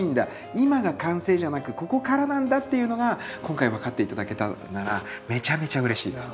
今が完成じゃなくここからなんだっていうのが今回分かって頂けたならめちゃめちゃうれしいです。